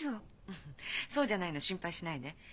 フフッそうじゃないの。心配しないで。